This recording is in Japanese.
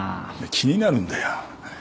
気になるんだよ。